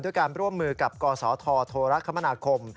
ด้วยการร่วมมือกับกศธโทรธรรมนาคม